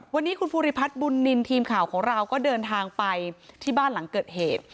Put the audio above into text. วันนี้คุณภูริพัฒน์บุญนินทีมข่าวของเราก็เดินทางไปที่บ้านหลังเกิดเหตุ